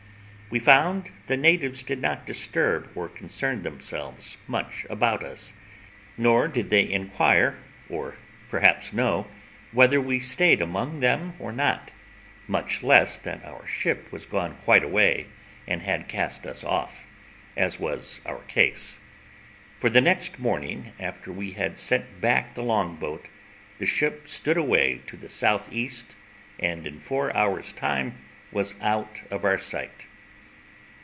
We found the natives did not disturb or concern themselves much about us; nor did they inquire, or perhaps know, whether we stayed among them or not, much less that our ship was gone quite away, and had cast us off, as was our case; for the next morning, after we had sent back the long boat, the ship stood away to the south east, and in four hours' time was out of our sight.